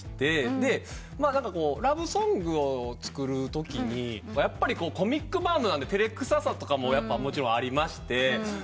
でラブソングを作るときにやっぱりコミックバンドなんで照れくささももちろんありまして。